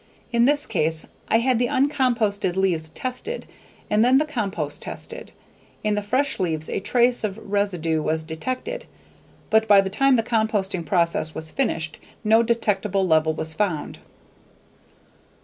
In this case, I had the uncomposted leaves tested and then the compost tested. In the fresh leaves a trace of ... residue was detected, but by the time the composting process was finished, no detectable level was found."